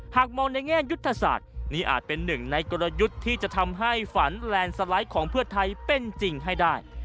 หากมองในแง่ยุทธศาสตร์นี่อาจเป็นหนึ่งในกลยุทธ์ที่จะทำให้ฝันแลนด์สไลด์ของเพื่อไทยเป็นจริงให้ได้